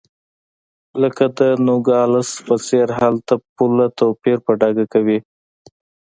لکه د نوګالس په څېر هلته پوله توپیر په ډاګه کوي.